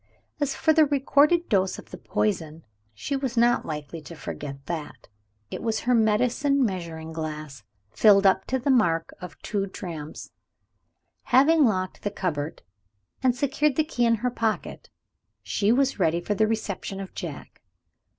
As for the recorded dose of the poison, she was not likely to forget that. It was her medicine measuring glass, filled up to the mark of two drachms. Having locked the cupboard, and secured the key in her pocket, she was ready for the reception of Jack.